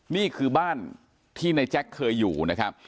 นี่คือบ้านที่ในแจ็คเคยอยู่นะครับ